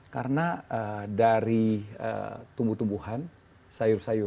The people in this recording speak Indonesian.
karena dari tumbuh tumbuhan sayur sayuran